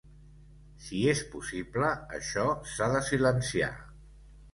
Si és possible, això s'ha de silenciar.